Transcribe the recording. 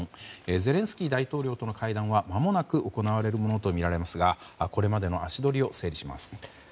ゼレンスキー大統領との会談はまもなく行われるものとみられますがこれまでの足取りを整理します。